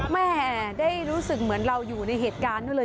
แม่ได้รู้สึกเหมือนเราอยู่ในเหตุการณ์ด้วยเลย